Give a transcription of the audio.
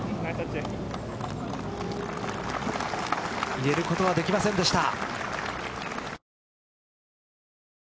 入れることはできませんでした。